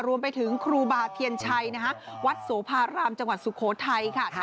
รวมไปถึงครูบาเทียนชัยวัดโสภารามจังหวัดสุโขทัยค่ะ